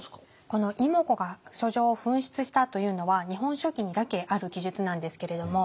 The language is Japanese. この妹子が書状を紛失したというのは「日本書紀」にだけある記述なんですけれども。